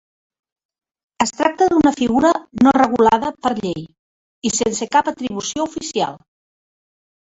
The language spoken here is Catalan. Es tracta d'una figura no regulada per llei i sense cap atribució oficial.